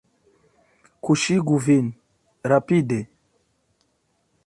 Kuŝigu vin, rapide!